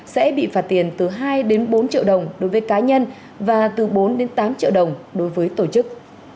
sẽ bị phạt tiền từ hai đến bốn triệu đồng đối với cá nhân và từ bốn đến tám triệu đồng đối với tổ chức